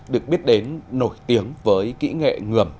được biết đến nổi tiếng với kỹ nghệ ngườm